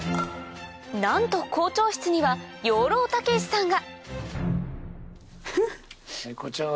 なんと校長室には養老孟司さんが！